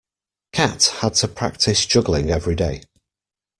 Cat had to practise juggling every day.